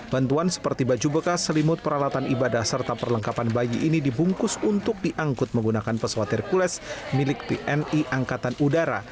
bantuan seperti baju bekas selimut peralatan ibadah serta perlengkapan bayi ini dibungkus untuk diangkut menggunakan pesawat hercules milik tni angkatan udara